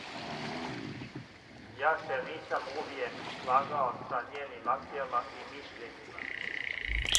Ја се нисам увијек слагао са њеним акцијама и мишљењима.